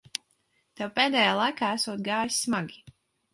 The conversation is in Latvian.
Tev pēdējā laikā esot gājis smagi.